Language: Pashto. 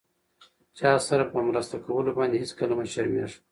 چاسره په مرسته کولو باندې هيڅکله مه شرميږم!